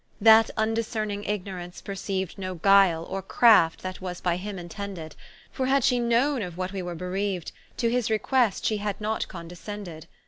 That vndiscerning Ignorance perceau'd No guile, or craft that was by him intended; For, had she knowne of what we were bereauid, To his request she had not condiscended.